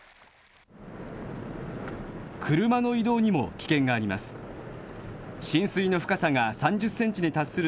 車の移動にも危険があります。